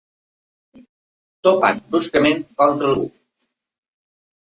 Topat bruscament contra algú.